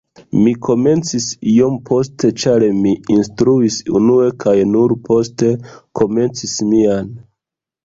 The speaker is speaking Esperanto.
Mi komencis iom poste ĉar mi instruis unue kaj nur poste komencis mian